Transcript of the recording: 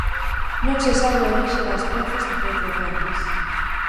Non se sabe a orixe das pezas prerromanas.